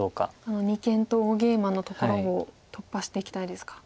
あの二間と大ゲイマのところを突破していきたいですか。